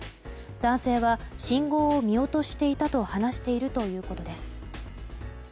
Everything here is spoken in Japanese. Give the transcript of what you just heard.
男性は、信号を見落としていたと話しているということです。